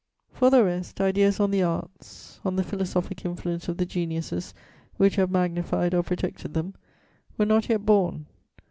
For the rest, ideas on the arts, on the philosophic influence of the geniuses which have magnified or protected them, were not yet born.